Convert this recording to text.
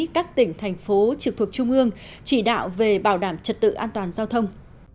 các tỉnh thành phố trực thuộc trung ương chỉ đạo về bảo đảm trật tự an toàn giao thông